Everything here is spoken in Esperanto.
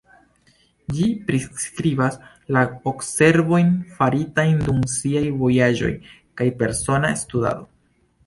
Ĝi priskribas la observojn faritajn dum siaj vojaĝoj kaj persona studado.